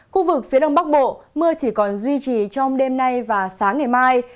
khu vực phía đông bắc bộ mưa chỉ còn duy trì trong đêm nay và sáng ngày mai